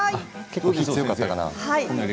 結構火強かったかな。